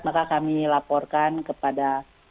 maka kami laporkan kepada